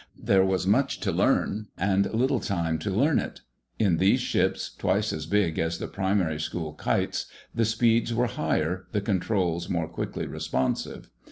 There was much to learn, and little time to learn it. In these ships, twice as big as the primary school "kites," the speeds were higher, the controls more quickly responsive.